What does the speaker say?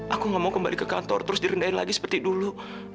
aku ngomong kembali ke kantor terus direndahin lagi seperti dulu